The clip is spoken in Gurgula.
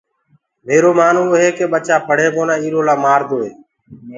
ميرو مآنوو هي ڪي ٻچآ پڙهين ڪونآ ايرو لآ مآدوئي تو